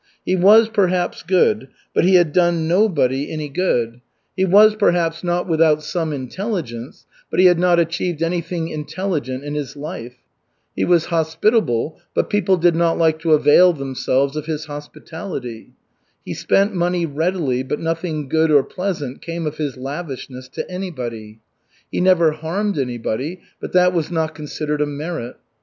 He was, perhaps, good, but he had done nobody any good; he was, perhaps, not without some intelligence, but he had not achieved anything intelligent in his life. He was hospitable, but people did not like to avail themselves of his hospitality. He spent money readily, but nothing good or pleasant came of his lavishness to anybody. He never harmed anybody, but that was not considered a merit.